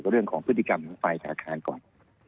เรื่องของพฤติกรรมไฟกับอาคารก่อน